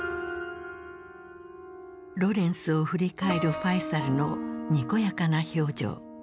ロレンスを振り返るファイサルのにこやかな表情。